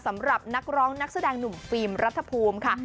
สำหรับนักร้องนักแสดงหนุ่มฟิล์มรัฐภูมิค่ะ